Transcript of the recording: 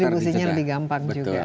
ya distribusinya lebih gampang juga